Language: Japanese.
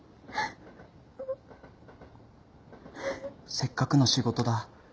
「せっかくの仕事だ」